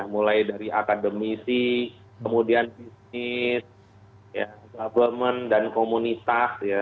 mulai dari akademisi kemudian bisnis government dan komunitas